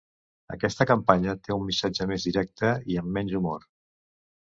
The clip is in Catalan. Aquesta campanya té un missatge més directe i amb menys humor.